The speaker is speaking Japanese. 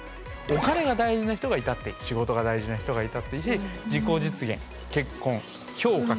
お金が大事な人がいたって仕事が大事な人がいたっていいし自己実現結婚評価